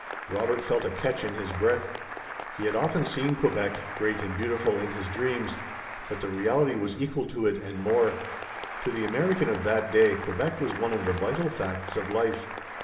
Robert felt a catch in his breath. He had often seen Quebec, great and beautiful, in his dreams, but the reality was equal to it and more. To the American of that day Quebec was one of the vital facts of life.